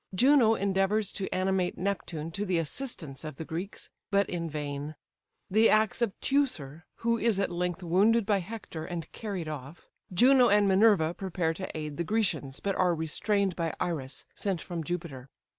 Juno endeavours to animate Neptune to the assistance of the Greeks, but in vain. The acts of Teucer, who is at length wounded by Hector, and carried off. Juno and Minerva prepare to aid the Grecians, but are restrained by Iris, sent from Jupiter.